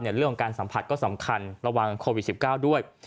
เรื่องของการสัมผัสก็สำคัญระวังโควิด๑๙ด้วย